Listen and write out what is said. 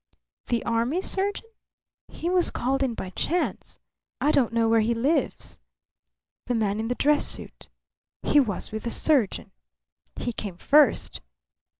"The army surgeon? He was called in by chance. I don't know where he lives." "The man in the dress suit." "He was with the surgeon." "He came first.